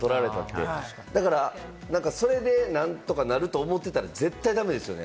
だからそれで何とかなると思ってたら絶対に駄目ですよね。